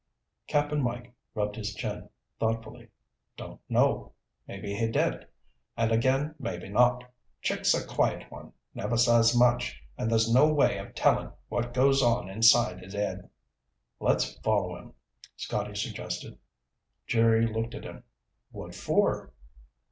Cap'n Mike rubbed his chin thoughtfully. "Don't know. Maybe he did, and again maybe not. Chick's a quiet one. Never says much and there's no way of telling what goes on inside his head." "Let's follow him," Scotty suggested. Jerry looked at him. "What for?"